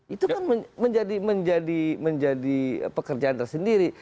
itu kan menjadi pekerjaan tersendiri